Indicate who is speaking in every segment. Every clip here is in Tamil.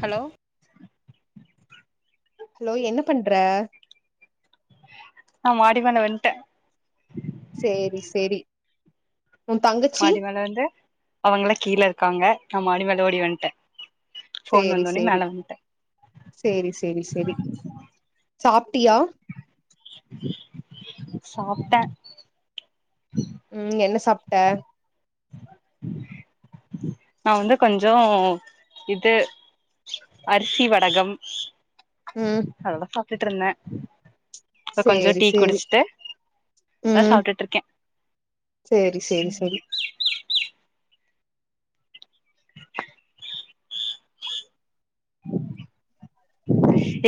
Speaker 1: ஹலோ
Speaker 2: ஹலோ என்ன பண்ற
Speaker 1: நா மாடி மேல வந்ட்ட
Speaker 2: சேரி சேரி உன் தங்கச்சி
Speaker 1: மாடி மேல வந்து அவங்கலா கீழ இருக்காங்க நா மாடி மேல ஓடி வந்ட்ட
Speaker 2: சேரி சேரி சேரி சேரி செரி சாப்ட்டியா
Speaker 1: சாப்ட்ட
Speaker 2: உம் என்ன சாப்ட்ட
Speaker 1: நா வந்து கொஞ்சோ இது அரிசி வடகம்
Speaker 2: ம்
Speaker 1: ஹலஹோ ட்டுட்ருந்த
Speaker 2: சேரி சேரி
Speaker 1: அதா
Speaker 2: உம்
Speaker 1: சாப்ட்டுட்ருக்கே
Speaker 2: சேரி சேரி செரி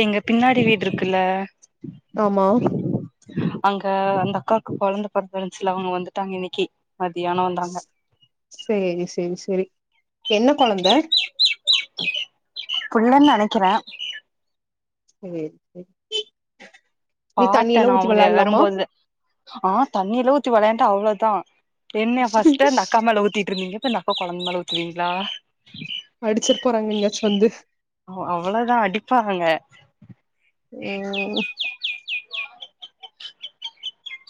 Speaker 1: எங்க பின்னாடி வீட்ருக்குல்ல
Speaker 2: ஆமா
Speaker 1: அங்க அந்த அக்காக்கு கொழந்த பொறந்துருன்ச்சுல அவ்ங்க வந்துட்டாங்க இன்னக்கி
Speaker 2: ஸ் சேரி சேரி செரி என்ன கொழந்த
Speaker 1: புல்லுன்னு நனைக்கிற
Speaker 2: [unintelligible] தண்ணி
Speaker 1: பாத்த
Speaker 2: எல்லா
Speaker 1: நா
Speaker 2: ஊத்தி
Speaker 1: அவங்க
Speaker 2: வெளாட்லாமா
Speaker 1: வரும்போது ஆ தண்ணியில்லா ஊத்தி வெளான் து அவ்ளோதா எண்ண ஃபர்ஸ்டு அந்த அக்கா மேல உத்திட்டுருதிங்க இப்ப அந்த அக்கா கொழந்த் மேல ஊத்துவீங்ளா
Speaker 2: அடிச்சிருப்பாரு அங்கெங்காச் வந்து
Speaker 1: ஆமா அவ்ளோ தா அடிப்பாங்கள
Speaker 2: ம்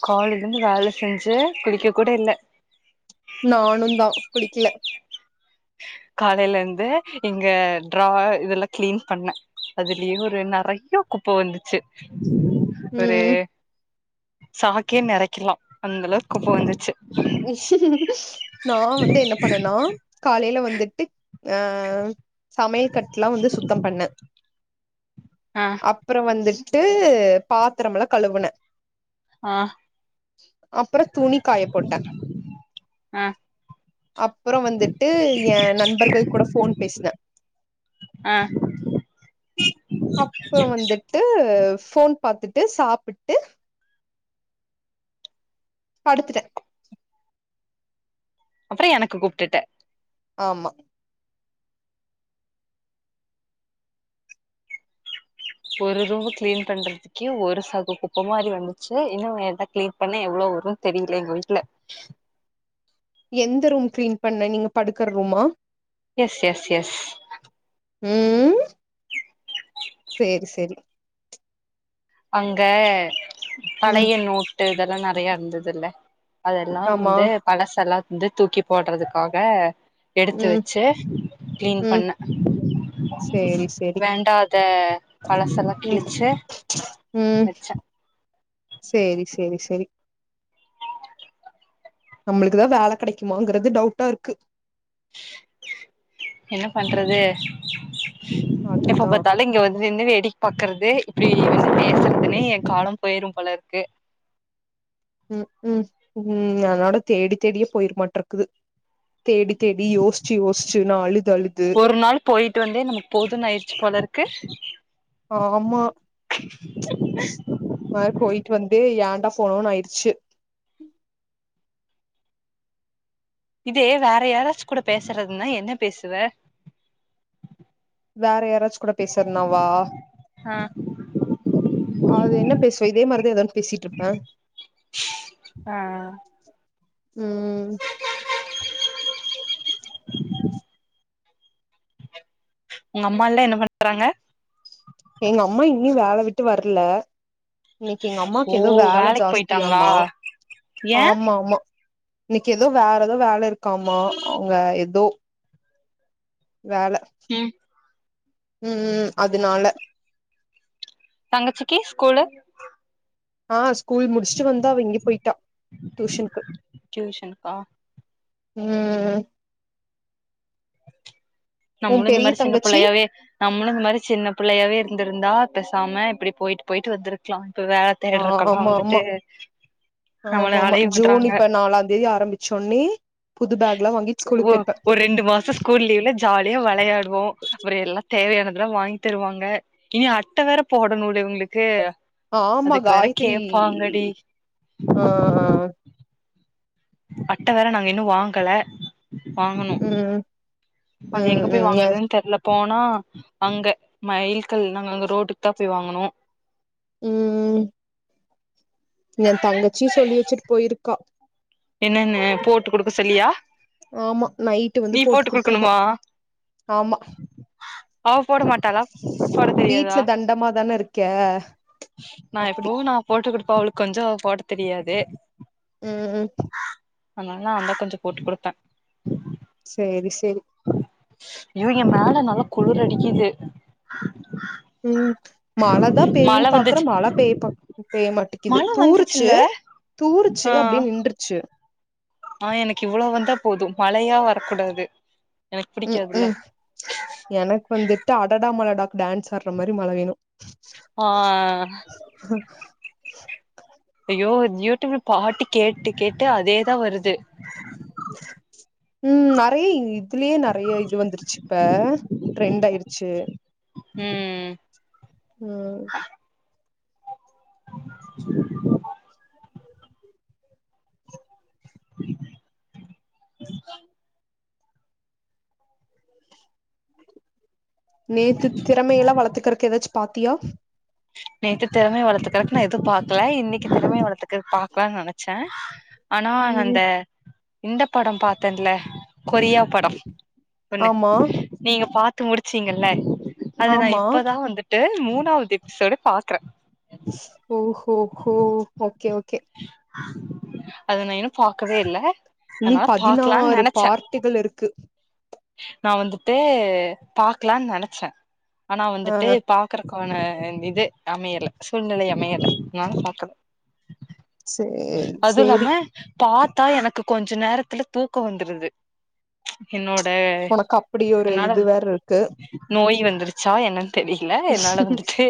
Speaker 1: காலலிந்து வேல செஞ்சே குளிக்க கூட இல்ல
Speaker 2: நானு தா குளிக்கல
Speaker 1: காலேல இந்து எங்க டரா இதெல்லா க்ளீன் பண்ண அதிலியு ஒரு நெறையா குப்ப வந்துச்சு ஒரு
Speaker 2: ம்
Speaker 1: சாக்கயே நெறைக்லா அந்தளவுக்கு குப்ப வந்துச்சு
Speaker 2: நா வந்து என்ன பண்ண னா கா லேல வந்துட்டுக் அ சமையல் கட்லா வந்து சுத்தம் பண்ண
Speaker 1: ஆ
Speaker 2: அப்ற வந்திட் டு பாத்திரம்ல கழுவுனே
Speaker 1: ஆ
Speaker 2: அப்றோ துணி காய போட்
Speaker 1: ஆ
Speaker 2: அப்றோ வந்திட்டு ஏ நண்பர்கள் கூட ஃபோன் பேசுன
Speaker 1: ஆ
Speaker 2: அப்போ வந்திட்டு ஃபோன் பாத்திட்டு சாப்பிட்டு படுத்துட்டே
Speaker 1: அப்றோ எனக்கு கூப்டுட்ட
Speaker 2: ஆமா
Speaker 1: ஒரு ரூம்ப கிளீன் பண்றதுக்கே ஒரு சாக் குப்ப மாரி வந்துச்சு இன்னு எத கிளீன் பண்ண எவ்ளோ வரு தெரில எங்க வீட்ல
Speaker 2: எந்த ரூம் க்ளீன் பண்ண நீங்க படுக்கற ரூமா
Speaker 1: எஸ் எஸ் எஸ்
Speaker 2: ம் சேரி சேரி
Speaker 1: அங்க
Speaker 2: ம்
Speaker 1: பழைய நோட்டு இதெல்லா நறையா இர்ந்துதில்ல அதெல்லா
Speaker 2: ஆமா
Speaker 1: வந்து பழ செல்லாக் வந்து தூக்கி போட்றதுக்காக எடுத்து
Speaker 2: ம்
Speaker 1: வச்சு கிளீன்
Speaker 2: ம்
Speaker 1: பண்ண
Speaker 2: சேரி சேரி
Speaker 1: வேண்டாத பழசெல்லா கிழிச்சு
Speaker 2: உம்
Speaker 1: வச்சே
Speaker 2: சேரி செரி செரி நம்மளுக்குதான் வேலை கிடைக்குமாங்கறது டவுட்டா இருக்கு
Speaker 1: என்ன பண்றது எப்ப
Speaker 2: அதுதா
Speaker 1: பாத்தாலு இங்க வந்துநின்னு வேடி பாக்கறது இப்டி வந்து பேசுறதுன்னே என் காலம் போயிரும் போல இருக்கு
Speaker 2: உம் உம் உம் அதனட தேடி தேடியே போயிரமாட்ருக்குது தேடி தேடி யோசிச்சு யோசிச்சு நாலு
Speaker 1: ஒரு நாள் போயிட்டு வந்தே நமக்கு போதுன்னு ஆயிறுச்சு போல இருக்கு
Speaker 2: ஆஹ் ஆமா ப்ச் வேற போயிட்டு வந்து எ டா போனோனு ஆயிருச்சு
Speaker 1: இதே வேற யாராச்சு கூட பேசுறதுன்னா என்ன பேசுவ
Speaker 2: வேற யாராச்சுகூட பேசுறனாவா
Speaker 1: ஆ
Speaker 2: அது என்ன பேசுவ இதே மாதிரிதான் ஏதன்னு பேசிட்டு இருப்பேன்
Speaker 1: ஆ
Speaker 2: ம்
Speaker 1: உங்க அம்மால்லா என்ன பண்றாங்க
Speaker 2: எங்க அம்மா இன்னு வேல விட்டு வரல இன்னைக்கு எங்க
Speaker 1: ஓ
Speaker 2: அம்மாக்கு ஏதோ வேலை
Speaker 1: வேலைக்கு போயிட்டாங்களா
Speaker 2: ஜாஸ்தியாம
Speaker 1: ஏ
Speaker 2: ஆமா ஆமா இன்னைக்கு ஏதோ வேற ஏதோ வேல இருக்காமா அவுங்க ஏதோ வேல
Speaker 1: ம்
Speaker 2: ம் ம் ம் அதனால
Speaker 1: தங்கச்சிக்கி ஸ்கூலு
Speaker 2: ஆ ஸ் ஸ்கூல் முடிச்சுட்டு வந்தா அவெங்கி போயிட்டா டியூஷனுக்கு
Speaker 1: டியூஷனுக்கா
Speaker 2: உம்
Speaker 1: நம்மளும் இந்த மாரி சின்ன புள்ளையாவே நம்மளும் இந்த மாரி சின்ன புள்ளையாவே இருந்திருந்தா ப்பசாம இப்டி போயிட்டு போயிட்டு வந்திருக்கலாம்
Speaker 2: ஆ ஆமா ஆமா ஆமா
Speaker 1: நம்மள
Speaker 2: ஆமா
Speaker 1: அலைய
Speaker 2: ஜூன்
Speaker 1: விடுறாங்க
Speaker 2: இப்ப நாலாந் தேதி ஆரம்பிச்சோன்னே புது பேக் எல்லாம் வாங்கி ஸ்கூலுக்கு
Speaker 1: ஒ
Speaker 2: போயிருப்பேன்
Speaker 1: ஒரு ரெண்டு மாசோ ஸ்கூல் லீவ்ல ஜாலியா வெளையாடுவோம் அப்புறம் எல்லாம் தேவையானதெல்லா வாங்கி தருவாங்க இனும் அட்டை வேற போடணுள்ள இவங்களுக்கு
Speaker 2: ஆ ஆமா
Speaker 1: அதுக்கு வேற
Speaker 2: காயத்தரி
Speaker 1: கேப்பாங்கடி
Speaker 2: ஆஹ்ஹ்
Speaker 1: அட்ட வேற நாங்க இன்னு வாங்கல வாங்கணு
Speaker 2: ம்
Speaker 1: அது
Speaker 2: ம்
Speaker 1: எங்க போய்
Speaker 2: ம் எ
Speaker 1: வாங்குறதுன்னு தெர்ல போனா அங்க மயில்கல் நாங்க அங்க ரோடுக்கு தான் போய் வாங்கனு
Speaker 2: உம் ம் என் தங்கச்சி சொல்லி வச்சிட்டு போயிருக்கா
Speaker 1: என்னன்ன போட்டு குடுக்க சொல்லியா
Speaker 2: ஆமா நைட்டு வந்து
Speaker 1: நீ போட்டு
Speaker 2: குடுக்கறதா
Speaker 1: குடுக்கணுமா
Speaker 2: ஆமா
Speaker 1: அவ போட மாட்டாளா போட
Speaker 2: வீட்ல
Speaker 1: தெரியாதா
Speaker 2: தண்டமா தான இருக்க
Speaker 1: நா
Speaker 2: அப்டி
Speaker 1: எப்போ நா போட்டு கொடுப்ப அவ கொஞ்சோ போட தெரியாது
Speaker 2: உம் உம்
Speaker 1: அதனால நாந்த கொஞ்சோ போட்டு கொடுத்த
Speaker 2: சரி சரி
Speaker 1: யோ என் மேல நல்லா குழுர் அடிக்குிது
Speaker 2: உஹம் மழைதா
Speaker 1: மழ
Speaker 2: பெய்யும்ன்னு பாக்குற
Speaker 1: வந்துச்சு
Speaker 2: மழை பெய்ய பெய்ய மாட்டி கிது
Speaker 1: மழ
Speaker 2: தூறுச்சு
Speaker 1: வந்துச்சுல்ல
Speaker 2: தூருச்சு அப்படினு நின்றுச்சு
Speaker 1: ஆஹ் எனக்கு இவ்வளவு வந்தா போது மழையா வரக்கூடாது எனக்கு
Speaker 2: உம்
Speaker 1: பிடிக்காதுல்ல
Speaker 2: கும் எனக்கு வந்துட்டு அடடாமல டான்ஸ் ஆடுற மாதிரி மழ வேணும்
Speaker 1: ஆஹ் ஐயோ யூடியூப்ல பாட்டு கேட்டு கேட்டு அதேதா வருது
Speaker 2: உம் நரைய இதுலயே நிறைய இது வந்துருச்சு இப்ப ட்ரெண்ட் ஆயிடுச்சு
Speaker 1: உஹம்
Speaker 2: உம் நேத்து திறமையெல்லா வளர்த்துறக்கு ஏதாச்சு பாத்தியா
Speaker 1: நேத்து திறமை வளர்த்துறக்கு நா எதுவு பாக்கல இன்னைக்கு திறமை வளருக்குற பாக்கலாம்னு நினைச்ச ஆனா அந்த
Speaker 2: ம்
Speaker 1: இந்த படம் பாாரத்தேன்ல கொரியா படம் சொன்னு
Speaker 2: ஆமா
Speaker 1: நீங்க பாத்து த்து முடிச்சிங்கல்ல அது நான்
Speaker 2: ஆமா
Speaker 1: இப்பதா வந்துட்டு மூணாவது எபிசோட பாக்குறேன்
Speaker 2: ஓ ஹோ ஓகே ஓ கே
Speaker 1: அதுன இன்னு பாக்கவே இல்ல
Speaker 2: இனி
Speaker 1: அதனால
Speaker 2: பதினாறு பார்ட்டகள் இருக்கு
Speaker 1: நான் வந்துட்டு பாக்கலான்னு நினைச்சேன் ஆனா
Speaker 2: ஆ
Speaker 1: வந்துட்டு பாக்குற போன இது அமையல சூழ்நிலை அமையல அதனால பாக்கல
Speaker 2: செரி செரி
Speaker 1: பார்த்தா எனக்கு கொஞ்சோ நேரத்துல தூக்கோ வந்துருது என்னோ
Speaker 2: உனக்கு அப்படி ஒரு
Speaker 1: என்னால
Speaker 2: இது வேற இருக்கு
Speaker 1: நோய் வந்துருச்சா என்னன்னு தெரியல என்னால வந்துட்டு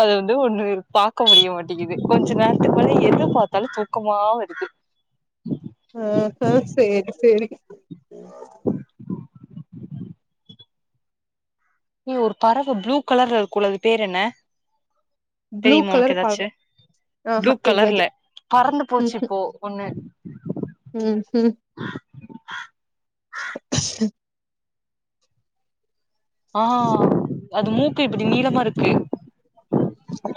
Speaker 1: அத வந்து ஒன்னு பார்க்க முடிய மாட்டிக் கொஞ்சோ நேரத்துக்மேல எது பார்த்தாலும் தூக்கம வருது
Speaker 2: ஆஹா சேரி சேரி
Speaker 1: நீ ஒரு பறவ ப்ளூ கலர்ல இருக்கும்ல அது பேர் என்ன
Speaker 2: ப்ளூ
Speaker 1: தெரியுமா உனக்கு
Speaker 2: கலர் பழ
Speaker 1: ஏதாச்சு ப்ளூ
Speaker 2: ஆஹா தெரியாது
Speaker 1: கலர்ல பறந்து போச்சுப்போ ஒண்ணு
Speaker 2: உஹம் உஹம்
Speaker 1: ஆஹ் அது மூக்கு இப்டி நீளமா இருக்கு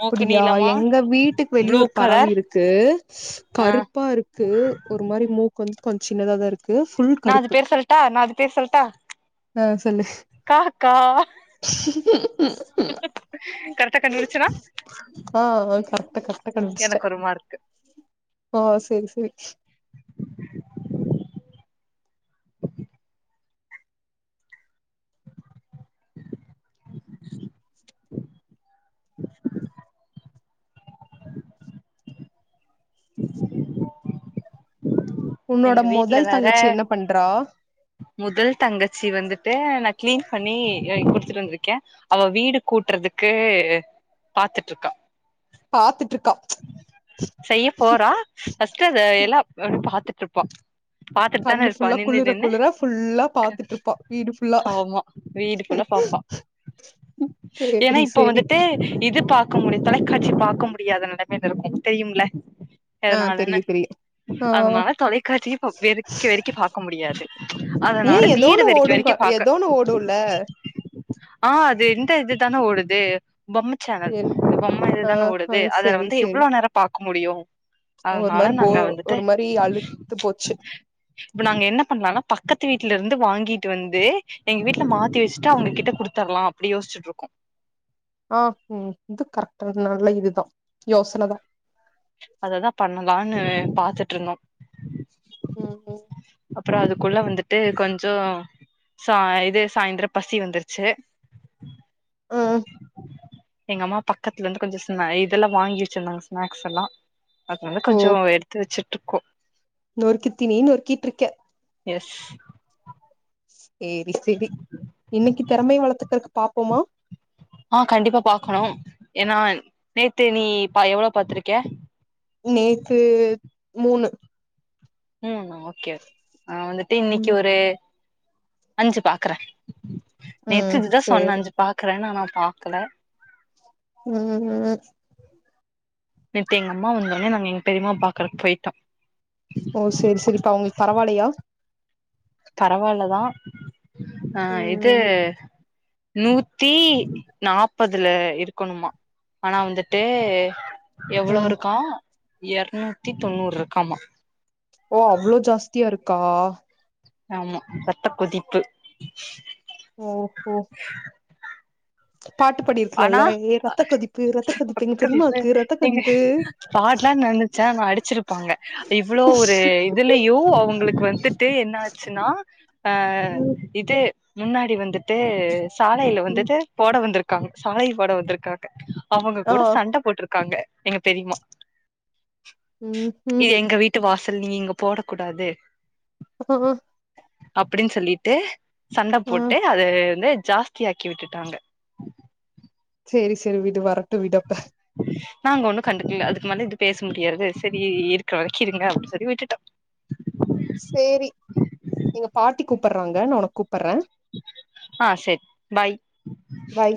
Speaker 1: மூக்கு நீளமா
Speaker 2: எங்க வீட்டுக்கு வெளிய
Speaker 1: ப்ளூ
Speaker 2: ஒரு பறவை
Speaker 1: கலர்
Speaker 2: இருக்கு
Speaker 1: ஆ
Speaker 2: கருப்பா இருக்கு ஒரு மாரி மூக்கு வந்து கொஞ்ச் சின்னத தான் இருக்கு ஃபுல்
Speaker 1: நான் அது
Speaker 2: கருப்பு
Speaker 1: பேரு சொல்ட்டா நான் அது பேரு சொல்ட்டா
Speaker 2: ஆ சொல்லு
Speaker 1: காக்கா கண்டுபிடிச்சனா
Speaker 2: ஆஹ் கரெக்டா கரெக்டா கண்டுப்பிடுச்சுட்ட
Speaker 1: எனக்கு ஒரு மார்க்கு
Speaker 2: ஹ சரி சரி உன்னோட
Speaker 1: எங்க வீட்ல
Speaker 2: முதல் தங்கச்சி
Speaker 1: வேற
Speaker 2: என்ன பண்றா
Speaker 1: முதல் தங்கச்சி வந்துட்டு நான் கிளீன் பண்ணி குடுத்துட்டு வந்திருக்கேன் அவ வீடு கூட்டுறதுக்கு பாத்துட்டு இருக்கா
Speaker 2: பாத்துட்டு இருக்
Speaker 1: செய்ய போறா ஃபர்ஸ்ட்ட் அத எல்லாம் பாத்து ப்பா பாரத்துட்டு தான
Speaker 2: கண்ணு
Speaker 1: இருப்பா
Speaker 2: ஃபுல்லா
Speaker 1: நின்னு
Speaker 2: குளிர
Speaker 1: நின்னு
Speaker 2: குளிர ஃபுல்லா பாத்துட்டு இருப்பா வீடு ஃபுல்லா
Speaker 1: ஆமா வீடு போள்ள பாரப்பா ஏன்னா
Speaker 2: சேரி
Speaker 1: இப்ப
Speaker 2: சேரி
Speaker 1: வந்துட்டு இது பார்கக்க முடிய தல கட்சி பார்க்க முடியாததுனால இருக்கூ தெரியும்ல
Speaker 2: ஆ
Speaker 1: எனாலன
Speaker 2: தெரியு தெரியு ஆ
Speaker 1: அதனால தொலைக்காட்சியே வெறுக்கெ வெறுக்கெ பாார்க்க முடியாது
Speaker 2: ஏ
Speaker 1: அதனால வீடு
Speaker 2: ஏதோன்னு
Speaker 1: வெறுக்கெ
Speaker 2: ஓடும்கா
Speaker 1: வெறுக்கெ பாக்க
Speaker 2: ஏதோன்னு ஓடும்ல
Speaker 1: ஆஹ் அது எந்த இதுதான ஓடுது பொம்ம சேனல் பொம்ம
Speaker 2: ஆ
Speaker 1: இதுதான
Speaker 2: ஆ
Speaker 1: ஓடுது அதல
Speaker 2: செரி
Speaker 1: வந்து
Speaker 2: செரி
Speaker 1: எவ்ளோ நேரம் க்க முடியும்
Speaker 2: ஒரு மாரி போ ஒரு மாரி அழுத்து போச்சு
Speaker 1: இப்ப நாங்க என்ன பண்ணலாம்னா பக்கத்து வீட்ல இருந்து வாங்கிட்டு வந்து எங்க வீட்டுல மாத்தி வச்சுட்டு அவங்க கிட்ட கொடுத்தரலாம் அப்டி யோசிச்சுட்டு இருக்கோம்
Speaker 2: ஆ ம் இது கரெக்ட் நல்ல இதுதா யோசனதா
Speaker 1: அததா பண்ணு லா ன்னு பாத்துட்ருந்தோ
Speaker 2: ம் ம்
Speaker 1: அப்றோ அதுக்குள்ள வந்துட்டு கொஞ்சோ சாய் இது சாய்ந்தர பசி வந்துருச்சு
Speaker 2: ஆ
Speaker 1: எங்க அம்மா பக்கத்துலந்து கொஞ்ச சொன்னா ஏ இதெல்லா வாங்கி வச்சிருந்தாங்க ஸ்நாக்ஸ் எல்லா அது வந்து கொஞ்சோ எடுத்து வச்சிட்
Speaker 2: நொறுக்குத்தீனி நொறுக்கிட்ருக்க
Speaker 1: எஸ்
Speaker 2: சேரி சேரி இன்னக்கி திறமைய வளர்த்துக்கறக்கு பாப்போமா
Speaker 1: ஆ கண்டிப்பா பாக்கணும் ஏன்னா நேத்து நீ பா எவ்ளோ பாத்துருக்கே
Speaker 2: நேத்து மூணு
Speaker 1: மூணா ஓகே ஆ வந்துட்டு இன்னக்கி
Speaker 2: ம்
Speaker 1: ஒரு அஞ்சு பாக்குறே நேத்து
Speaker 2: ம்
Speaker 1: இதுதா சொன்ன
Speaker 2: சேரி
Speaker 1: அஞ்சு பாக்குறேன்னு ஆனா பாக்குல
Speaker 2: ம் ம்
Speaker 1: நேத்து எங்க அம்மா வந்தாங்க நாங்க எங்க பெரியமாவ பாக்குறக்கு போயிட்டோ
Speaker 2: ஓ சேரி சேரிப்பா அவங்களுக் பரவால்லயா
Speaker 1: பரவால்லதா ஆ இது
Speaker 2: ம்
Speaker 1: நூத்தி நாப்பதுல இருக்கணுமா ஆனா வந்துட்டு
Speaker 2: ம்
Speaker 1: எவ்ளோருக்கோ எறநூத்தி தொண்ணூற்ருக்காமா
Speaker 2: ஓ அவ்ளோ ஜாஸ்தியா இருக் க்கா
Speaker 1: ஆமா ரத்த கொதிப்பு
Speaker 2: ஓஹோ பாட்டு
Speaker 1: ஆனா,
Speaker 2: பாடிருக்கலால்ல ஏ ரத்த கொதிப்பு ரத்த கொதிப்பு எங்க பெரிம்மாக்கு
Speaker 1: [unintelligible]
Speaker 2: ரத்த
Speaker 1: நீங்க
Speaker 2: கொதிப்பு
Speaker 1: பாட்லா நெனச்சே ஆனா அடிச்சிருப்பாங்க இவ்ளோ ஒரு இதுலியு அவங்களுக்கு வந்துட்டு என்னா ச்சுன்னா ஆ
Speaker 2: ம்
Speaker 1: இது முன்னாடி வந்துட்டு சாலையில
Speaker 2: ம்
Speaker 1: வந்துட்டு போட வந்துருக்கு க்காங்க சாலை போட வந்துருக்காங்க. அவங்க
Speaker 2: ஆ
Speaker 1: கூட சண்ட போட்ருக்காங்க எங்க பெரிம்மா
Speaker 2: ம் ம்
Speaker 1: இது எங்க வீட்டு வாச நீங்க இங்க போடக்கூடாது
Speaker 2: ஹும்
Speaker 1: அப்டின்னு சொல்லிட்டு சண்ட
Speaker 2: ஆ
Speaker 1: போட்டு அது வந்து ஜாஸ்தியாக்கி விட்டுட்டாங்க
Speaker 2: சேரி சேரி வீடு வர டு விடட்டஹ்
Speaker 1: நாங்க ஒன்னு கண்டுக்கல அதுக்கு மேல இது பேச முடியாது சரி இருக்கிற வரைக்கு இருங்க அப்டின்னு சொல்லி விட்டுட்டோ
Speaker 2: சேரி எங்க பாட்டி கூப்புடுறாங்க நா உனக் கூப் புறே
Speaker 1: ஆஹ் சர் பாய்
Speaker 2: பாய்